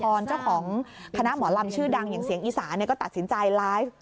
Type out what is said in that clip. เจ้าของคณะหมอลำชื่อดังอย่างเสียงอีสานก็ตัดสินใจไลฟ์